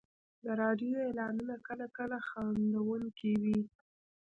د راډیو اعلانونه کله کله خندونکي وي.